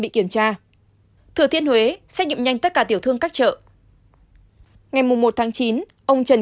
bị kiểm tra thừa thiên huế xét nghiệm nhanh tất cả tiểu thương các chợ ngày một tháng chín ông trần